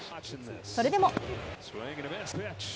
それでも。